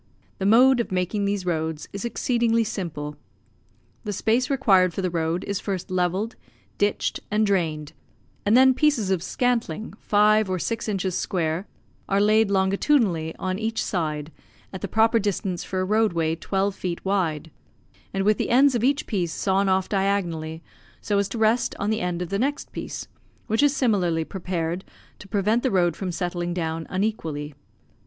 The mode of making these roads is exceedingly simple. The space required for the road is first levelled, ditched, and drained, and then pieces of scantling, five or six inches square, are laid longitudinally on each side, at the proper distance for a road way twelve feet wide, and with the ends of each piece sawn off diagonally, so as to rest on the end of the next piece, which is similarly prepared, to prevent the road from settling down unequally.